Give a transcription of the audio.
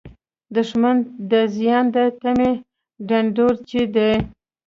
دښمن د زیان د تمې ډنډورچی دی